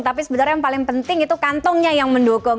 tapi sebenarnya yang paling penting itu kantongnya yang mendukung